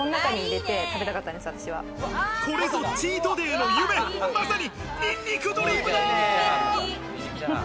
これぞチートデイの夢、ニンニクドリームだ！